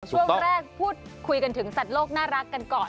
ช่วงแรกพูดคุยกันถึงสัตว์โลกน่ารักกันก่อน